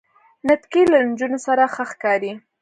نتکۍ له نجونو سره ښه ښکاری.